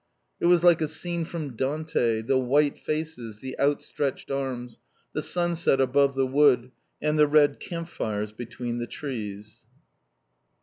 It was like a scene from Dante, the white faces, the outstretched arms, the sunset above the wood, and the red camp fires between the trees.